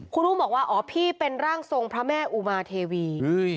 คุณอุ้มบอกว่าอ๋อพี่เป็นร่างทรงพระแม่อุมาเทวี